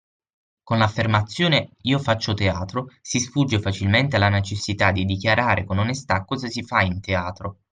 Con l’affermazione “Io faccio teatro!” si sfugge facilmente alla necessità di dichiarare con onestà cosa si fa in teatro.